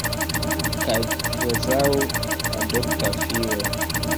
Kaj kvazaŭ adopta filo.